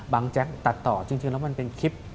แจ๊กตัดต่อจริงแล้วมันเป็นคลิป